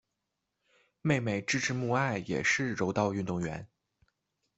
妹妹志志目爱也是柔道运动员。